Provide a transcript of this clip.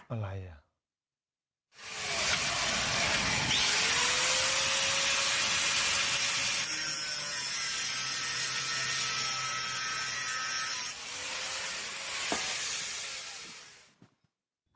อะไรอ่ะ